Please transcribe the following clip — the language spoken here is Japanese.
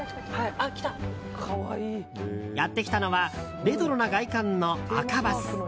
やってきたのはレトロな外観の赤バス。